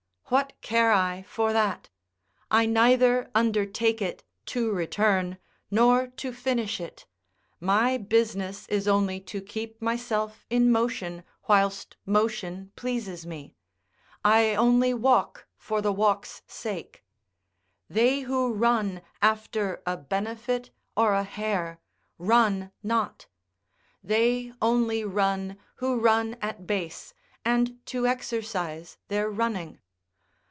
What care I for that? I neither undertake it to return, nor to finish it my business is only to keep myself in motion, whilst motion pleases me; I only walk for the walk's sake. They who run after a benefit or a hare, run not; they only run who run at base, and to exercise their running.